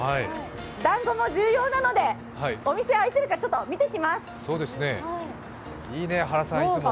だんごも重要なので、お店開いているか、ちょっと見てきます。